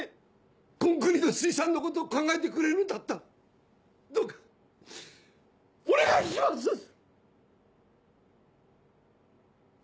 こん国の水産のこと考えてくれるんだったらどうかお願いします！